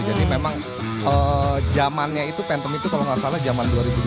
jadi memang zamannya itu phantom itu kalau gak salah jaman dua ribu lima belas an itu